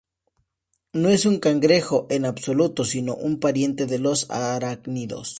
No es un cangrejo en absoluto, sino un pariente de los arácnidos.